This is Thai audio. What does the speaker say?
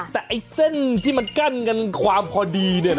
แต่ไอ้เส้นที่มันกั้นกันความพอดี